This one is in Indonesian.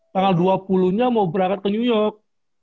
tanggal dua puluh nya mau berangkat ke new york